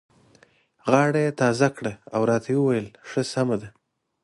غاړه یې تازه کړه او راته یې وویل: ښه سمه ده.